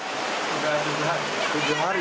sudah tujuh hari